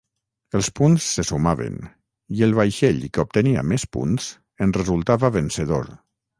Els punts se sumaven i el vaixell que obtenia més punts en resultava vencedor.